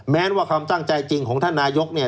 แม้ว่าความตั้งใจจริงของท่านนายกเนี่ย